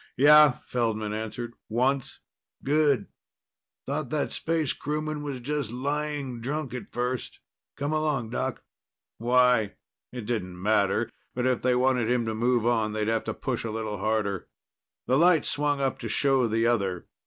"Yeah," Feldman answered. "Once." "Good. Thought that space crewman was just lying drunk at first. Come along, Doc." "Why?" It didn't matter, but if they wanted him to move on, they'd have to push a little harder. The light swung up to show the other.